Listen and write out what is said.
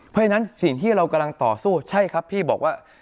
เพราะฉะนั้นสิ่งที่เรากำลังต่อสู้ใช่ครับพี่บอกว่า